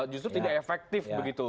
justru tidak efektif begitu